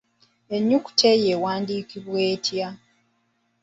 Ennyukuta eyo ewandiikibwa etya?